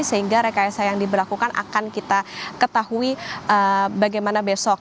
sehingga rekayasa yang diberlakukan akan kita ketahui bagaimana besok